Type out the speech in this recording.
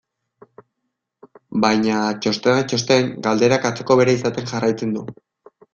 Baina, txostenak txosten, galderak atzoko bera izaten jarraitzen du.